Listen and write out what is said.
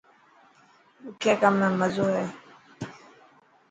ڏکي ڪم ۾ مزو هي.